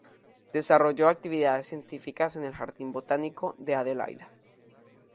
Desarrolló actividades científicas en el Jardín Botánico de Adelaida.